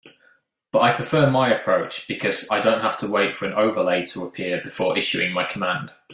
But I prefer my approach because I don't have to wait for an overlay to appear before issuing my command.